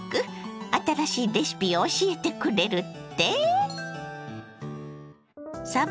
新しいレシピを教えてくれるって？